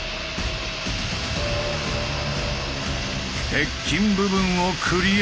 鉄筋部分をクリア！